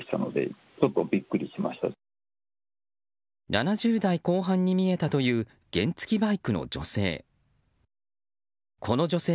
７０代後半に見えたという原付きバイクの女性。